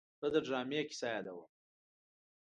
زه د ډرامې کیسه یادوم.